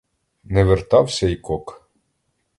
Не вертався й кок.